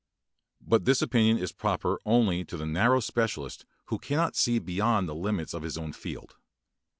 But this opinion is proper only to the narrow specialist who cannot see beyond the limits of his own field.